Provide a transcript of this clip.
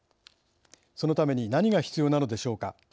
そのために何が必要なのでしょうか。